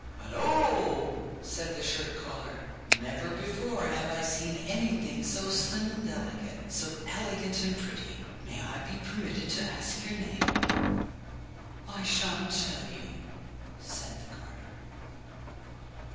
'Hulloa!' said the shirt collar, 'never before have I seen anything so slim and delicate, so elegant and pretty! May I be permitted to ask your name?' 'I shan't tell you,' said the garter.